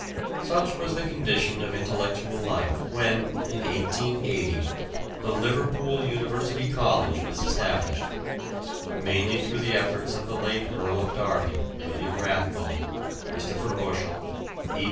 Such was the condition of intellectual life when, in 1880, the Liverpool University College was established, mainly through the efforts of the late Earl of Derby, William Rathbone, Christopher Bushell, E.